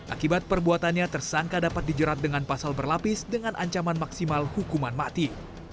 akibat perbuatannya tersangka dapat dijerat dengan pasal berlapis dengan ancaman maksimal hukuman mati